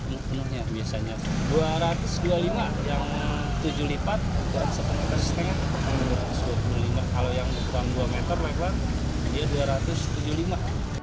kalau yang kurang dua meter dia dua ratus tujuh puluh lima